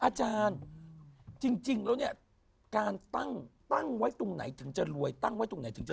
อาจารย์จริงแล้วเนี่ยการตั้งตั้งไว้ตรงไหนถึงจะรวยตั้งไว้ตรงไหนถึงจะ